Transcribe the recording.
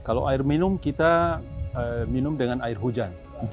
kalau air minum kita minum dengan air hujan